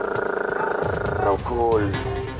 aku adalah rukuli